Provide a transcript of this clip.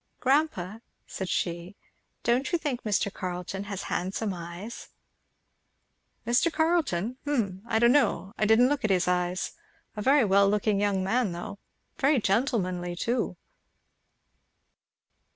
"Grandpa," said she, "don't you think Mr. Carleton has handsome eyes?" "Mr. Carleton? hum I don't know; I didn't look at his eyes. A very well looking young man though very gentlemanly too."